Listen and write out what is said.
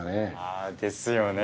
あですよね。